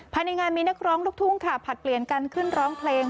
ภายในงานมีนักร้องลูกทุ่งค่ะผลัดเปลี่ยนกันขึ้นร้องเพลง